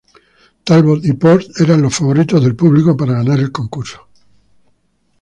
Talbot y Potts eran los favoritos del público para ganar el concurso.